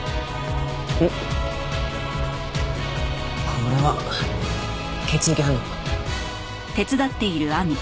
これは血液反応。